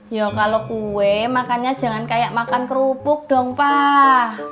ya kalau kue makannya jangan kayak makan kerupuk dong pak